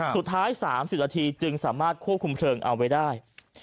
สุดท้าย๓๐นาทีจึงสามารถควบคุมเติมเอาไว้ได้